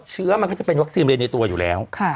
เชื้อมันก็จะเป็นวัคซีนเรียนในตัวอยู่แล้ว